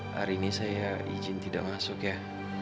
hari ini saya izin tidak masuk ya